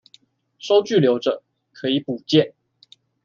收據留著，可以補件